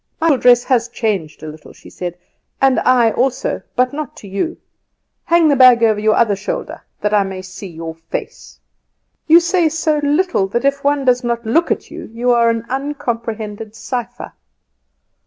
"My dress has changed a little," she said, "and I also; but not to you. Hang the bag over your other shoulder, that I may see your face. You say so little that if one does not look at you you are an uncomprehended cipher."